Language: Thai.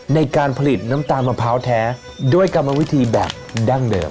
ในการผลิตน้ำตาลมะพร้าวแท้ด้วยกรรมวิธีแบบดั้งเดิม